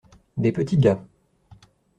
Des petits gars.